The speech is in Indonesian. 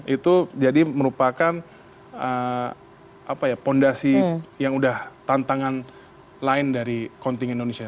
itu jadi merupakan fondasi yang udah tantangan lain dari kontingen indonesia